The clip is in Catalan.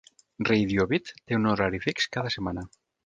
Radio Beat té un horari fix cada setmana.